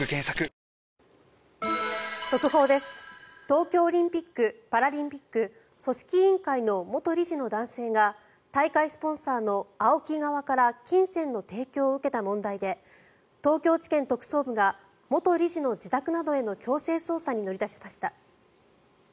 東京オリンピック・パラリンピック組織委員会の元理事の男性が大会スポンサーのＡＯＫＩ側から金銭の提供を受けた問題で東京地検特捜部が元理事の自宅などへの強制捜査に乗り出しました。